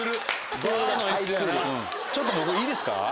ちょっと僕いいですか？